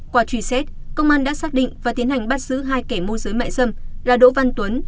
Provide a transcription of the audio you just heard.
qua truy xét công an đã xác định và tiến hành bắt giữ hai kẻ môi giới mại dâm là đỗ văn tuấn